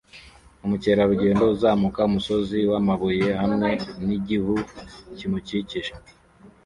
Umukerarugendo uzamuka umusozi wamabuye hamwe nigihu kimukikije